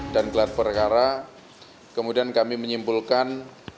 dan kelar perkara kemudian kami menyimpulkan